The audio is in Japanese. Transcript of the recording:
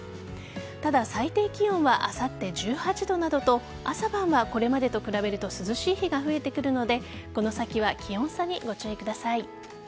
ただ、最低気温はあさって１８度などと朝晩は、これまでと比べると涼しい日が増えてくるのでこの先は気温差にご注意ください。